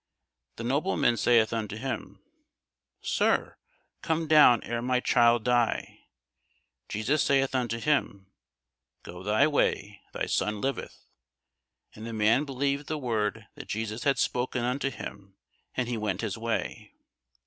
The nobleman saith unto him, Sir, come down ere my child die. Jesus saith unto him, Go thy way; thy son liveth. And the man believed the word that Jesus had spoken unto him, and he went his way.